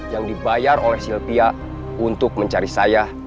yang dibayar oleh sylvia untuk mencari saya